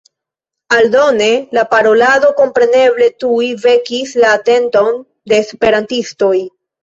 Aldone la parolado kompreneble tuj vekis la atenton de esperantistoj.